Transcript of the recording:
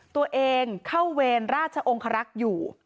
ตัวเองเข้าเวรราชองครักษ์อยู่